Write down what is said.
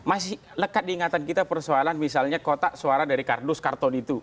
masih lekat diingatan kita persoalan misalnya kotak suara dari kardus karton itu